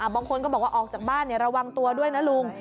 บางคนก็บอกว่าออกจากบ้านระวังตัวด้วยนะลุง